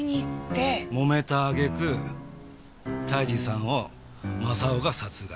もめたあげく泰治さんを正雄が殺害。